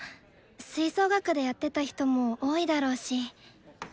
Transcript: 吹奏楽でやってた人も多いだろうし。